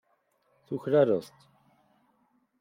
Tuklaleḍ-t.